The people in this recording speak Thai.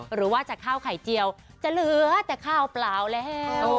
หรือว่าจากข้าวไข่เจียวจะเหลือแต่ข้าวเปล่าแล้ว